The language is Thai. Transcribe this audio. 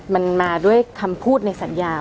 มันมาด้วยคำพูดในสัญญา